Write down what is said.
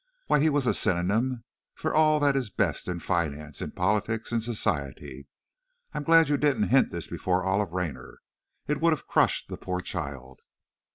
Why, he was a synonym for all that is best in finance, in politics, in society! I'm glad you didn't hint this before Olive Raynor! It would have crushed the poor child."